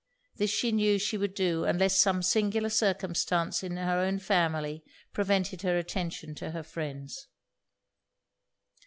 This she knew she would do unless some singular circumstance in her own family prevented her attention to her friends.